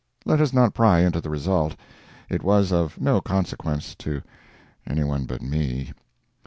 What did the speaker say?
Let us not pry into the result; it was of no consequence to anyone but me.